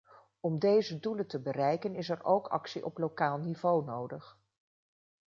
Om deze doelen te bereiken is er ook actie op lokaal niveau nodig.